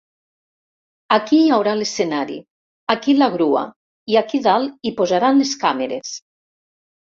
Aquí hi haurà l'escenari, aquí la grua i aquí dalt hi posaran les càmeres.